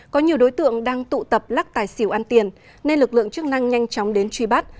có nhiều đối tượng đang tụ tập lắc tài xỉu ăn tiền nên lực lượng chức năng nhanh chóng đến truy bắt